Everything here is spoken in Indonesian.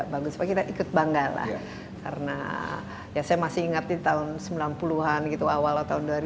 bagus supaya kita ikut bangga lah karena ya saya masih ingat di tahun sembilan puluh an gitu awal tahun dua ribu